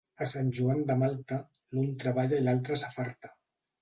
A Sant Joan de Malta, l'un treballa i l'altre s'afarta.